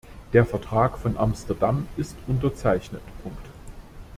Der Vertrag von Amsterdam ist unterzeichnet.